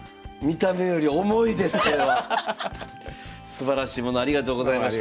すばらしいものありがとうございました。